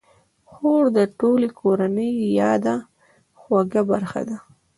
خور د ټولې کورنۍ یاده خوږه برخه ده.